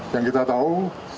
yang kita tahu